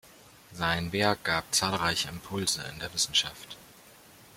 Sein Werk gab zahlreiche Impulse in der Wissenschaft.